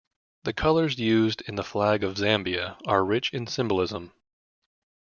The colours used in the flag of Zambia are rich in symbolism.